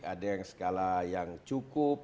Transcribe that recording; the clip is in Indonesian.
ada yang skala yang cukup